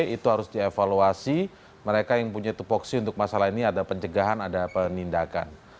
itu harus dievaluasi mereka yang punya tupoksi untuk masalah ini ada pencegahan ada penindakan